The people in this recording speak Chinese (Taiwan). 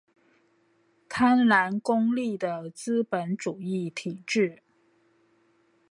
貪婪功利的資本主義體制